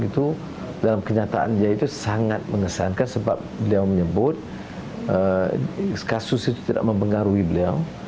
itu dalam kenyataan dia itu sangat mengesankan sebab beliau menyebut kasus itu tidak mempengaruhi beliau